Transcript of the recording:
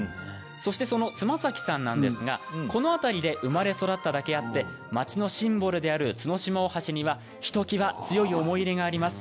そして妻崎さんなんですがこの辺りで生まれ育っただけあって町のシンボルである角島大橋にはひときわ強い思い入れがあります。